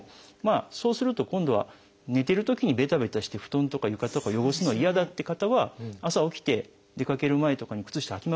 そうすると今度は寝てるときにベタベタして布団とか床とか汚すの嫌だっていう方は朝起きて出かける前とかに靴下はきますよね。